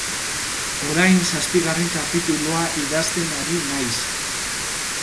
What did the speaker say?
Orain zazpigarren kapitulua idazten ari naiz.